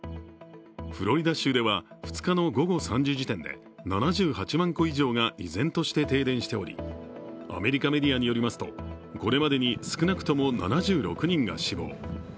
フロリダ州では２日の午後３時時点で７８万戸以上が依然として停電しておりアメリカメディアによりますとこれまでに少なくとも７６人が死亡。